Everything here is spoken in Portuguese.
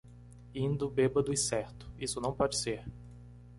Indo bêbado e certo, isso não pode ser.